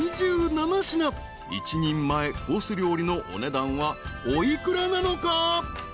［一人前コース料理のお値段はお幾らなのか？］